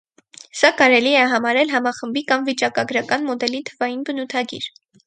Սա կարելի է համարել համախմբի կամ վիճակագրական մոդելի թվային բնութագիր։